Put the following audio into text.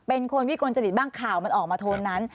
เป็นคนวิกลจริตบ้างข่าวมันออกมาโทนนั้น